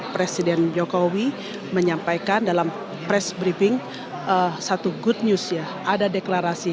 presiden jokowi menyampaikan dalam press briefing satu good news ya ada deklarasi